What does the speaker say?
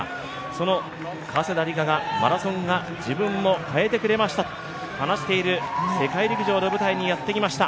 その加世田梨花がマラソンが自分を変えてくれましたと話している世界陸上の舞台にやってきました